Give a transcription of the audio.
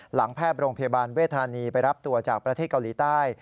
แพทย์โรงพยาบาลเวทธานีไปรับตัวจากประเทศเกาหลีใต้